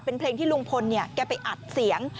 เป็นเพลงที่ลุงพลเนี่ยแกไปอัดเสียง